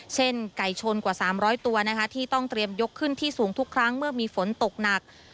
ไก่ชนกว่า๓๐๐ตัวนะคะที่ต้องเตรียมยกขึ้นที่สูงทุกครั้งเมื่อมีฝนตกหนัก